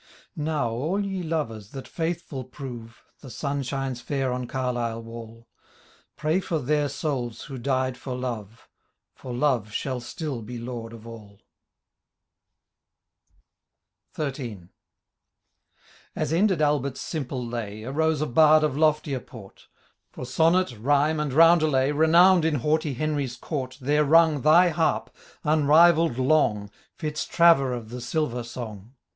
Now all ye lovers, that faithful prove, (The sun shines feir on Carlisle wall,) Pray for their souls who died for love. For Love shall still be lord of all I XIII. As ended Albert^s simple lay. Arose a bard of loftier port ; For sonnet, rhyme, and roundelay. Renowned in haughty Henry's court fhere rung thy harp, uniivall'd long, Fitztraver of the silver song